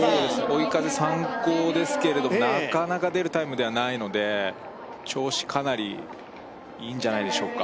追い風参考ですけれどなかなか出るタイムではないので調子かなりいいんじゃないでしょうか？